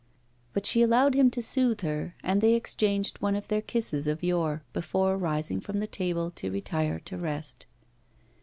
But she allowed him to soothe her, and they exchanged one of their kisses of yore, before rising from the table to retire to rest.